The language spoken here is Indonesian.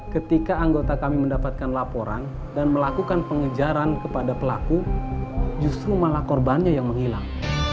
ketika anggota kami mendapatkan laporan dan melakukan pengejaran kepada pelaku justru malah korbannya yang menghilang